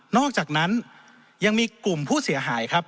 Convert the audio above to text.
อกจากนั้นยังมีกลุ่มผู้เสียหายครับ